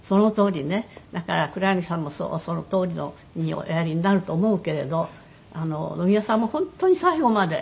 だから黒柳さんもそのとおりにおやりになると思うけれど野際さんも本当に最後まで。